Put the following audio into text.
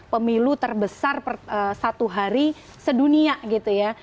pemilu terbesar satu hari sedunia gitu ya